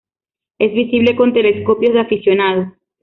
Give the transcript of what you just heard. Es visible con telescopios de aficionado.